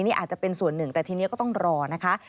นี่อาจจะเป็นส่วนหนึ่งแต่ทีนี้ก็ต้องรอนะคะ